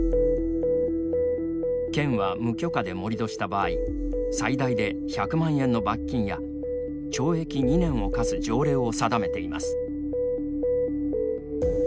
県は、無許可で盛り土した場合最大で１００万円の罰金や懲役２年を科す条例を定めています。